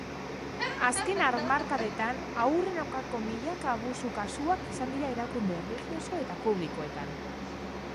Azken hamarkadetan haurren aurkako milaka abusu kasuak izan dira erakunde erlijioso eta publikoetan.